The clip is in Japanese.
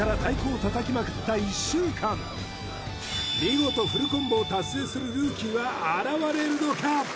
見事フルコンボを達成するルーキーは現れるのか？